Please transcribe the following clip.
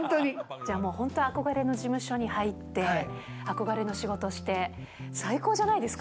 じゃあもう、本当、憧れの事務所に入って、憧れの仕事して、最高じゃないですか。